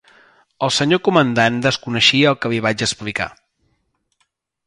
El senyor Comandant desconeixia el que li vaig explicar.